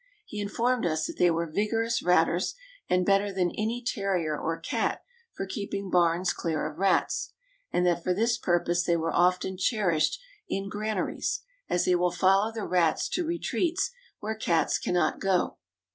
He informed us that they were vigorous ratters, and better than either terrier or cat for keeping barns clear of rats; and that for this purpose they were often cherished in granaries, as they will follow the rats to retreats where cats cannot go.